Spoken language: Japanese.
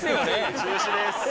中止です